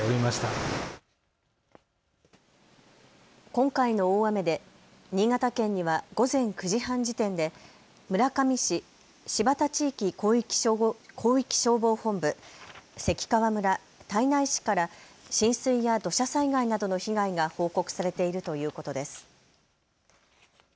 今回の大雨で新潟県には午前９時半時点で村上市、新発田地域広域消防本部、関川村、胎内市から浸水や土砂災害などの被害が報告されているということです。